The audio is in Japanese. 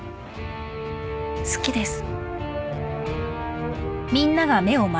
好きです。